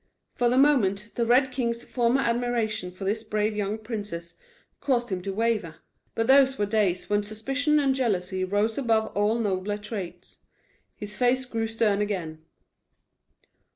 For the moment, the Red King's former admiration for this brave young princess caused him to waver; but those were days when suspicion and jealousy rose above all nobler traits. His face grew stern again.